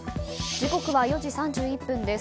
時刻は４時３１分です。